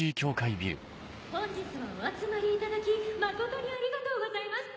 本日はお集まりいただき誠にありがとうございます。